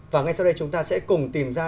và ngay sau đây chúng ta sẽ cùng tìm ra